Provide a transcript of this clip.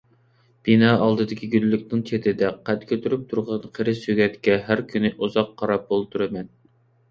بىنا ئالدىدىكى گۈللۈكنىڭ چېتىدە قەد كۆتۈرۈپ تۇرغان قېرى سۆگەتكە ھەر كۈنى ئۇزاق قاراپ ئولتۇرىمەن.